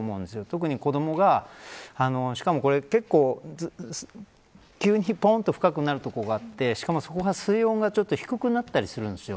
特に子どもがしかもこれ、急にぽんと深くなる所があってしかも、そこが水温が低くなったりするんですよ。